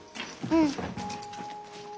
うん。